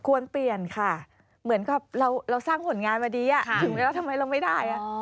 ควรเปลี่ยนค่ะเหมือนกับเราสร้างผลงานมาดีถึงแล้วทำไมเราไม่ได้